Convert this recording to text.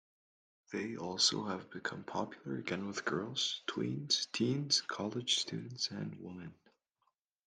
They also have become popular again with girls, tweens, teens, college students and women.